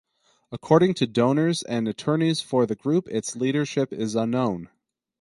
According to donors and attorneys for the group its leadership is unknown.